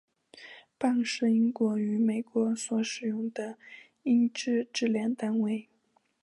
磅是英国与美国所使用的英制质量单位。